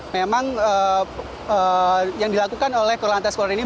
memang yang dilakukan oleh kulantar sekolah ini